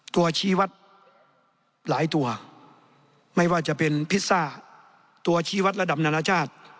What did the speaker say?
ชีวัตรหลายตัวไม่ว่าจะเป็นพิซซ่าตัวชี้วัดระดับนานาชาติ